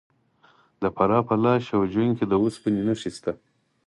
د فراه په لاش او جوین کې د وسپنې نښې شته.